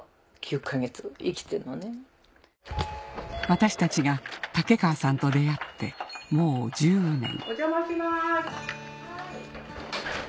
私たちが竹川さんと出会ってもう１０年お邪魔します。